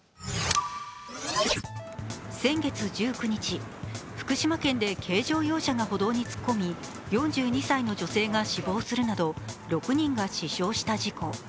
先月１９日、福島県で軽乗用車が歩道に突っ込み、４２歳の女性が死亡するなど６人が死傷した事故。